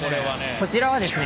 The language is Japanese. こちらはですね